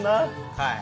はい。